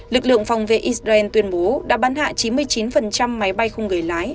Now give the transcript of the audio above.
lực lượng phòng vệ israel tuyên bố đã bắn hạ chín mươi chín máy bay không người lái